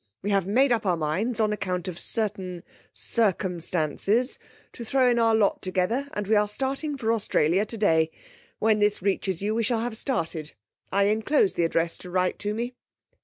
We have made up our minds on account of certain circumstances to throw in our lot together, and we are starting for Australia today. When this reaches you, we shall have started. I enclose the address to write to me.